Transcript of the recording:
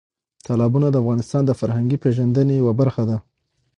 تالابونه د افغانانو د فرهنګي پیژندنې یوه برخه ده.